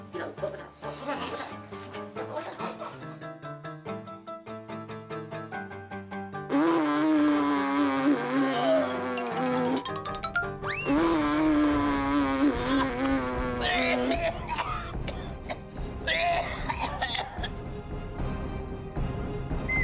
mir gua pesan gua pesan